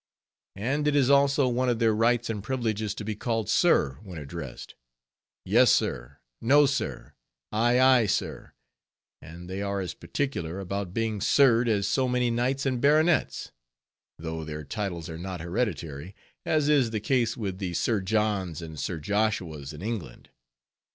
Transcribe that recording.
And it is also one of their rights and privileges to be called sir when addressed—Yes, sir; No, sir; Ay, ay, sir; and they are as particular about being sirred as so many knights and baronets; though their titles are not hereditary, as is the case with the Sir Johns and Sir Joshuas in England.